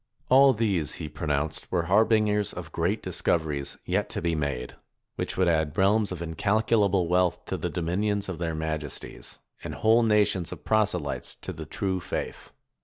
All these he pro nounced mere harbingers of greater discoveries yet to be 48s SPAIN made, which would add realms of incalculable wealth to the dominions of their majesties, and whole nations of proselytes to the true faith.